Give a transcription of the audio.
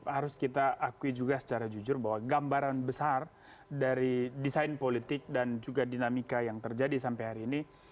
harus kita akui juga secara jujur bahwa gambaran besar dari desain politik dan juga dinamika yang terjadi sampai hari ini